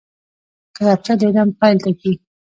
کتابچه د علم د پیل ټکی دی